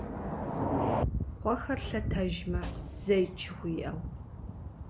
«Кхъуэхэр лъэтэжмэ!» - зэикӀ жыхуиӏэу.